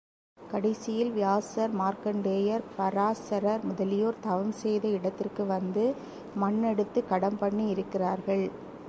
கடைசியில் வியாசர், மார்க்கண்டேயர், பராசரர் முதலியோர் தவம் செய்த இடத்திற்கு வந்து மண் எடுத்துக் கடம் பண்ணியிருக்கிக்கிறார்.